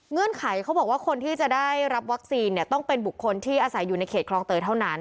ไขเขาบอกว่าคนที่จะได้รับวัคซีนเนี่ยต้องเป็นบุคคลที่อาศัยอยู่ในเขตคลองเตยเท่านั้น